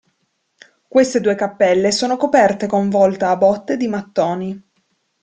Queste due cappelle sono coperte con volta a botte di mattoni.